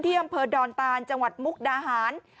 อำเภอดอนตานจังหวัดมุกดาหาร